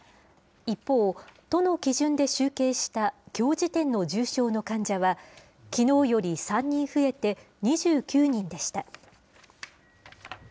一方、都の基準で集計したきょう時点の重症の患者は、きのうより３人増えて２９人でした。